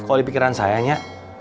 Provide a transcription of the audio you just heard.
kalau di pikiran sayanya